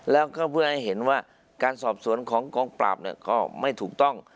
แล้วก็เพื่อให้เห็นว่าการสอบสวนของกองปราบก็ไม่ถูกต้อง